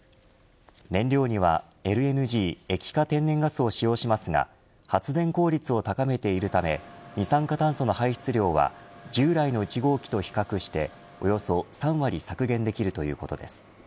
燃料にはＬＮＧ液化天然ガスを使用しますが発電効率を高めているため二酸化炭素の排出量は従来の１号機と比較しておよそ３割削減できるということです。